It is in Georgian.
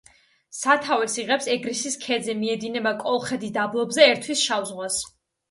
სათავეს იღებს ეგრისის ქედზე, მიედინება კოლხეთის დაბლობზე, ერთვის შავ ზღვას.